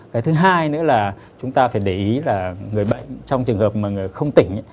cái thứ hai nữa là chúng ta phải để ý là người bệnh trong trường hợp mà không tỉnh